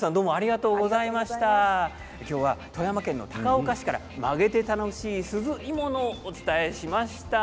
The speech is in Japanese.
今日は富山県の高岡市から曲げて楽しいすず鋳物をお伝えしました。